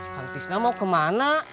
kang tisna mau kemana